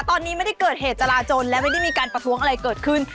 ตอนนี้ไม่ได้เกิดเหตุจราจนและไม่ได้มีการประท้วงอะไรเกิดขึ้น